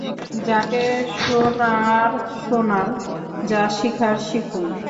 যাকে শোনার শোনান, যা শিখার শিখুন।